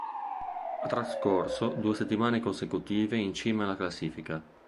Ha trascorso due settimane consecutive in cima alla classifica.